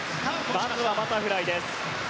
まずはバタフライです。